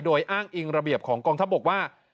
โดยอ้างอิงระเบียบของกองทัพบกว่า